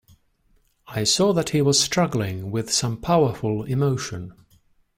I saw that he was struggling with some powerful emotion.